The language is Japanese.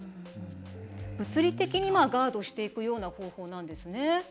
物理的にガードしていくような方法なんですね。